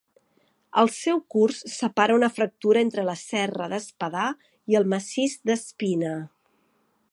El seu curs separa una fractura entre la serra d'Espadà i el massís d'Espina.